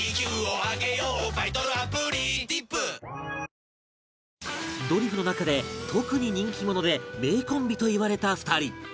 三菱電機ドリフの中で特に人気者で名コンビといわれた２人